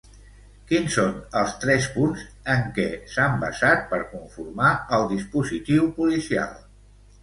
Quins són els tres punts en què s'han basat per conformar el dispositiu policial?